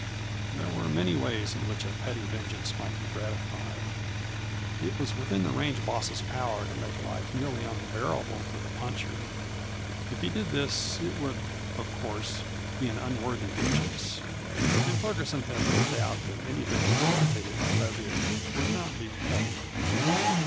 There were many ways in which a petty vengeance might be gratified. It was within the range boss's power to make life nearly unbearable for the puncher. If he did this it would of course be an unworthy vengeance, and Ferguson had little doubt that any vengeance meditated by Leviatt would not be petty.